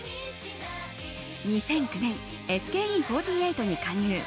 ２００９年、ＳＫＥ４８に加入。